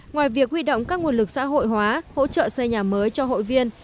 ngoài việc huy động các nguồn lực xã hội hóa hỗ trợ xây nhà mới cho hội viên